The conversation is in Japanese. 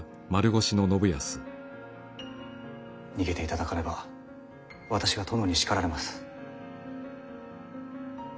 逃げていただかねば私が殿に叱られます。